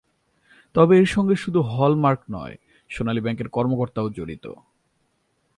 তবে এর সঙ্গে শুধু হল মার্ক নয়, সোনালী ব্যাংকের কর্মকর্তারাও জড়িত।